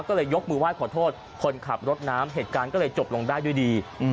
ก็เลยยกมือไห้ขอโทษคนขับรถน้ำเหตุการณ์ก็เลยจบลงได้ด้วยดี